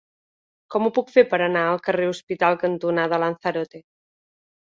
Com ho puc fer per anar al carrer Hospital cantonada Lanzarote?